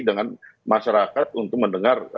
dengan masyarakat untuk mendengar